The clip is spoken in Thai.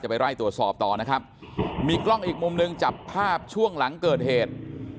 ไปไล่ตรวจสอบต่อนะครับมีกล้องอีกมุมหนึ่งจับภาพช่วงหลังเกิดเหตุ